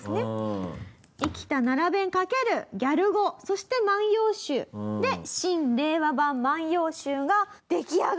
生きた奈良弁掛けるギャル語そして『万葉集』で「真・令和版万葉集」が出来上がると。